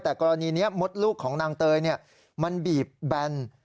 แต่กรณีนี้มดลูกของนางเตยมันบีบแบน